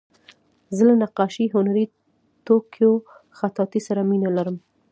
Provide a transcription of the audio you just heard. زه له نقاشۍ، هنري توکیو، خطاطۍ سره مینه لرم.